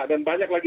dan banyak lagi